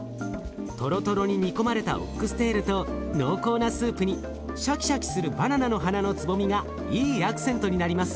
トロトロに煮込まれたオックステールと濃厚なスープにシャキシャキするバナナの花のつぼみがいいアクセントになります。